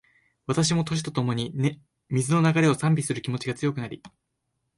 私も、年とともに、水の流れを賛美する気持ちが強くなり